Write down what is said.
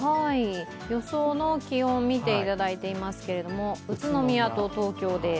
予想の気温見ていただいていますけど宇都宮と東京です。